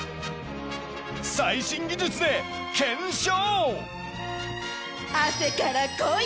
最新技術で検証！